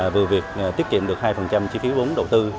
vừa việc tiết kiệm được hai chi phí vốn đầu tư